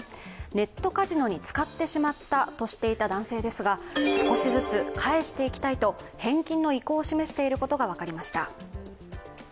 ネットカジノに使ってしまったとしていた男性ですが少しずつ返していきたいと、返金の意向を示していることが分かりました。